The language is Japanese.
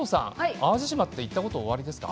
淡路島って行ったことおありですか？